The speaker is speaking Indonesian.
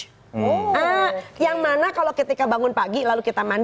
yang mana kalau ketika bangun pagi lalu kita mandi atau sholat subuh ini tinggal masuk ke atas kompornya